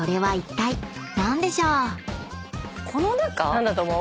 何だと思う？